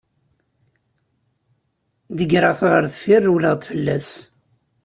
Deggreɣ-t ɣer deffir, rewleɣ-d fell-as.